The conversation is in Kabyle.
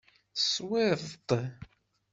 Teswiḍ-t?